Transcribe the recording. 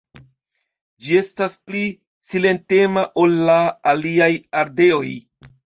Ĝi estas pli silentema ol la aliaj ardeoj.